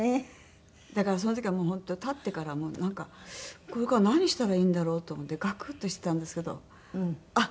だからその時はもう本当建ってからなんかこれから何したらいいんだろう？と思ってガクッとしてたんですけどあっ